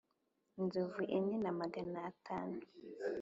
Inzovu Enye Na Magana Atanu